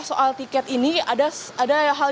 soal tiket ini ada hal